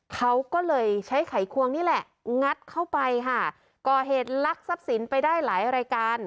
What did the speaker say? เขาก็เลยใช้ไขควงนี่แหละงัดเข้าไปค่ะก่อเหตุลักทรัพย์สินไปได้หลายรายการ